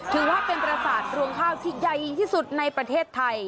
ถือว่าเป็นประสาทรวงข้าวที่ใหญ่ที่สุดในประเทศไทย